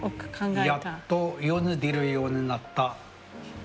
やっと世に出るようになった作品です。